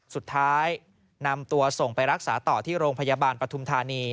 สุดท้ายนำตัวส่งไปรักษาต่อที่โรงพยาบาลปฐุมธานี